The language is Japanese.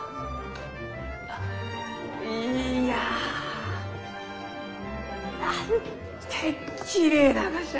いやなんてきれいながじゃ！